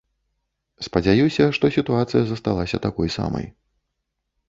Спадзяюся, што сітуацыя засталася такой самай.